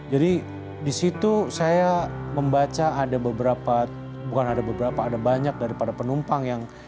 jadi di situ saya membaca ada beberapa bukan ada beberapa ada banyak daripada penumpang yang